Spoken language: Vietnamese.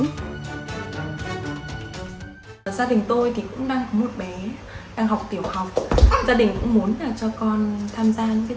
gia đình tôi cũng đang có một bé đang học tiểu học